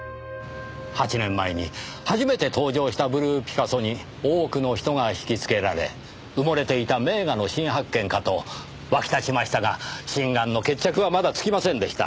８年前に初めて登場したブルーピカソに多くの人がひきつけられ埋もれていた名画の新発見かと沸き立ちましたが真贋の決着はまだつきませんでした。